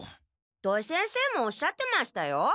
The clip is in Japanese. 土井先生もおっしゃってましたよ。